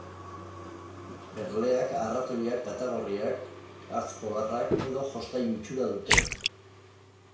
Erleak, arratoiak, katagorriak, hartz polarrak edo jostailu itxura dutenak.